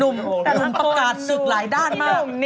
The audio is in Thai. ดุมดุมประกาศสึกหลายด้านมาก